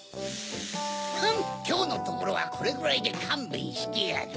フンきょうのところはこれぐらいでかんべんしてやる。